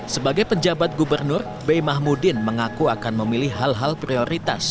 sebagai penjabat gubernur bey mahmudin mengaku akan memilih hal hal prioritas